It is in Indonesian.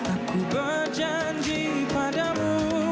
aku berjanji padamu